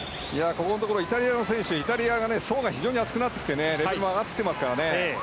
ここのところイタリアの選手層が非常に厚くなってきてレベルも上がってきていますからね。